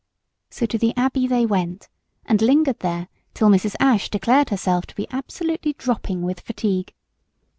So to the Abbey they went, and lingered there till Mrs. Ashe declared herself to be absolutely dropping with fatigue.